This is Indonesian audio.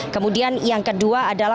kemudian yang kedua adalah